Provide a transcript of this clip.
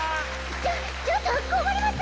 ちょちょっとこまります！